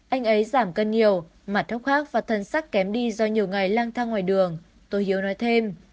anh ấy giảm cân nhiều mặt thốc khác và thân sắc kém đi do nhiều ngày lang thang ngoài đường tôi hiếu nói thêm